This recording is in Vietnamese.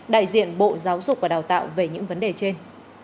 đại diện bộ giáo dục và đào tạo về những vấn đề trên